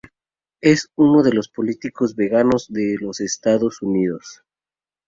Es uno de los pocos políticos veganos de los Estados Unidos.